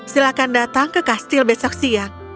silahkan datang ke kastil besok siang